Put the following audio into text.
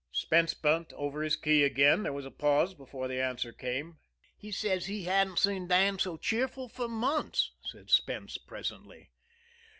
Spence bent over his key again. There was a pause before the answer came. "He says he hadn't seen Dan so cheerful for months," said Spence presently.